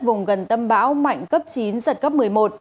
vùng gần tâm bão mạnh cấp chín giật cấp một mươi một